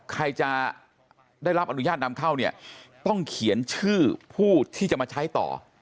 ใครจะได้รับอนุญาตนำเข้าเนี่ยต้องเขียนชื่อผู้ที่จะมาใช้ต่อ